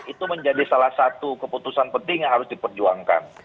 itu menjadi salah satu keputusan penting yang harus diperjuangkan